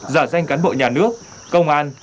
giả danh cán bộ nhà nước công an